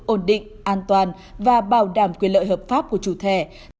ổn định an toàn và bảo đảm quyền lợi hợp pháp của chủ thẻ